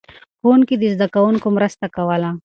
ښوونکي د زده کوونکو مرسته کوله.